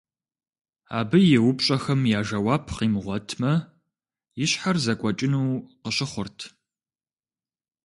Абы и упщӀэхэм я жэуап къимыгъуэтмэ, и щхьэр зэкӀуэкӀыну къыщыхъурт.